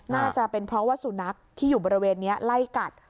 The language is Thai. น่าจะเป็นเพราะว่าสุนัขที่อยู่บริเวณนี้ไล่กัด